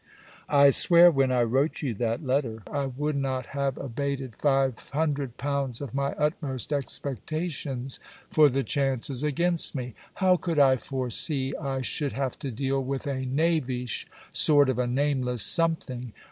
I swear when I wrote you that letter I would not have abated 500l. of my utmost expectations for the chances against me. How could I foresee I should have to deal with a knavish sort of a nameless something?